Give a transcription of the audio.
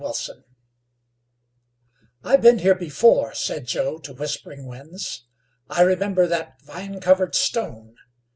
"I have been here before," said Joe to Whispering Winds. "I remember that vine covered stone.